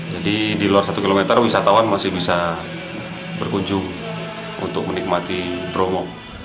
jadi di luar satu km wisatawan masih bisa berkunjung untuk menikmati bromo